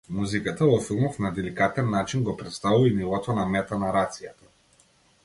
Музиката во филмов на деликатен начин го претставува и нивото на метанарацијата.